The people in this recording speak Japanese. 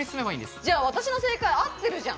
じゃあ、私の正解合ってるじゃん。